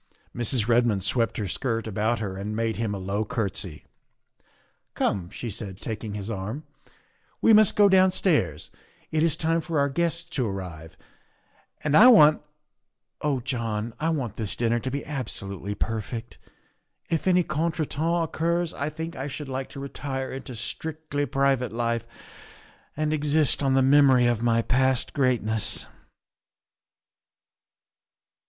Mrs. Redmond swept her skirt about her and made him a low courtesy. " Come," she said, taking his arm, " we must go downstairs, it is time for our guests to arrive, and I want oh John, I want this dinner to be absolutely perfect. If any contretemps occurs I think I should like to retire into strictly private life and exist on the memory of my past greatness.